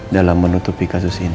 dalam menutupi kasus ini